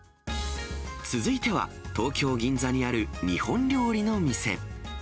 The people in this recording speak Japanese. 続いては東京・銀座にある日本料理の店。